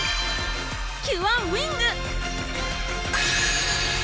キュアウィング！